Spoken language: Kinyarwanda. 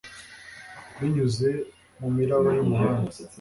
binyuze mumiraba yumuhanda